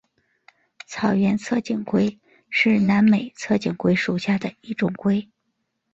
草原侧颈龟是南美侧颈龟属下的一种龟。